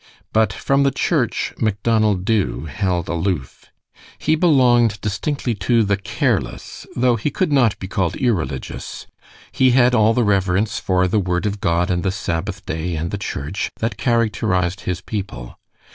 But from the church Macdonald Dubh held aloof. He belonged distinctly to the "careless," though he could not be called irreligious. He had all the reverence for "the Word of God, and the Sabbath day, and the church" that characterized his people.